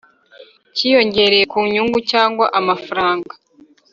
kiyongereye ku nyungu cyangwa amafaranga